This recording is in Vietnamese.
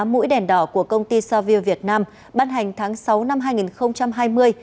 mũi đèn đỏ của công ty savio việt nam bắt hành tháng sáu năm hai nghìn hai mươi